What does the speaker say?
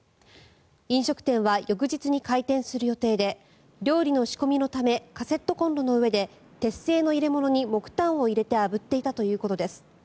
飲食店は翌日に開店する予定で料理の仕込みのためカセットコンロの上で鉄製の入れ物に木炭を入れてあぶっていたということです。